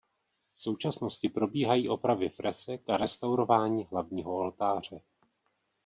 V současnosti probíhají opravy fresek a restaurování hlavního oltáře.